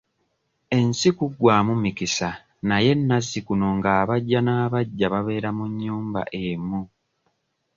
Ensi kuggwamu mikisa naye nazzikuno ng'abaggya n'abaggya babeera mu nnyumba emu.